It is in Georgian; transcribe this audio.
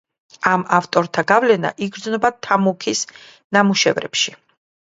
ამ ავტორთა გავლენა იგრძნობა ფამუქის ნამუშევრებში.